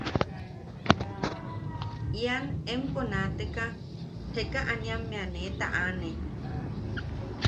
Ian empo naateka jekaaniammea ne taʼane.